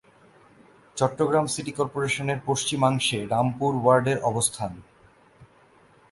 Chittagong city কর্পোরেশনের পশ্চিমাংশে রামপুর ওয়ার্ডের অবস্থান।